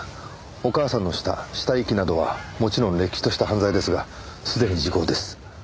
お母さんのした死体遺棄などはもちろんれっきとした犯罪ですがすでに時効です。